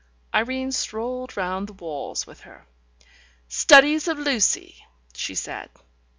... Irene strolled round the walls with her. "Studies of Lucy," she said.